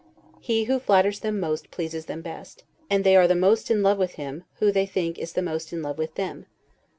He who flatters them most, pleases them best; and they are the most in love with him, who they think is the most in love with them.